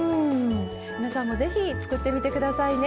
皆さんも是非作ってみて下さいね。